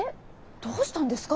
どうしたんですか？